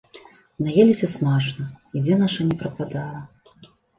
Наеліся смачна і дзе наша ні прападала!